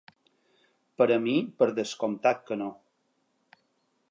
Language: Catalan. Per a mi per descomptat que no.